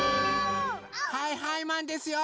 はいはいマンですよ！